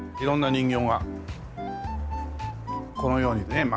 色んな人形がこのようにね